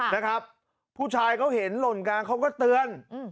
นะครับผู้ชายเขาเห็นหล่นกลางเขาก็เตือน